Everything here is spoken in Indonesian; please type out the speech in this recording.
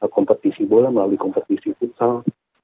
kompetisi bola melalui kompetisi futsal